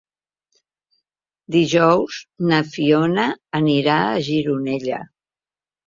Dijous na Fiona anirà a Gironella.